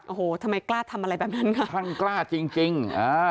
โอ้โหทำไมกล้าทำอะไรแบบนั้นค่ะช่างกล้าจริงจริงอ่า